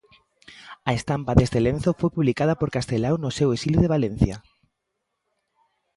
A estampa deste lenzo foi publicada por Castelao no seu exilio de Valencia.